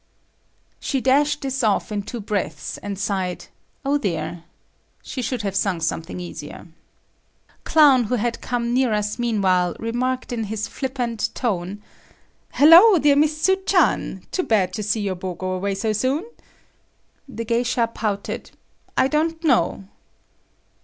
She dashed this off in two breaths, and sighed, "O, dear!" She should have sung something easier. Clown who had come near us meanwhile, remarked in his flippant tone: "Hello, dear Miss Su chan, too bad to see your beau go away so soon." The geisha pouted, "I don't know."